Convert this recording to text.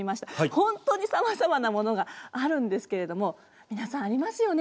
本当にさまざまなものがあるんですけれども皆さんありますよね？